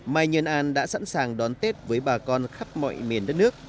mai nhơn an đã sẵn sàng đón tết với bà con khắp mọi miền đất nước